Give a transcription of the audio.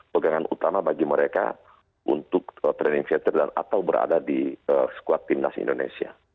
pegangan utama bagi mereka untuk training ceater dan atau berada di squad timnas indonesia